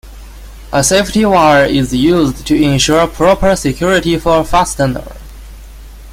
A safety wire is used to ensure proper security for a fastener.